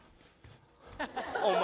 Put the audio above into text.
お前